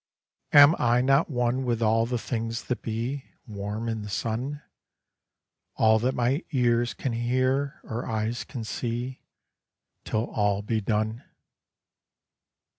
Am I not one with all the things that be Warm in the sun? All that my ears can hear, or eyes can see, Till all be done.